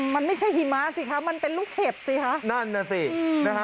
มันไม่ใช่หิมะสิคะมันเป็นลูกเห็บสิคะนั่นน่ะสินะฮะ